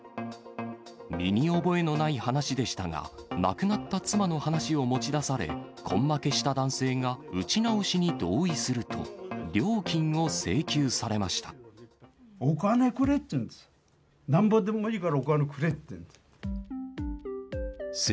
身に覚えのない話でしたが、亡くなった妻の話を持ち出され、根負けした男性が打ち直しに同意すると、お金くれって言うんです。